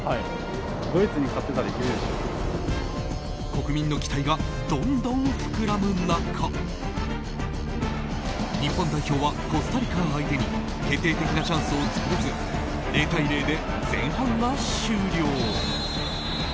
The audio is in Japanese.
国民の期待がどんどん膨らむ中日本代表はコスタリカ相手に決定的なチャンスを作れず０対０で前半が終了。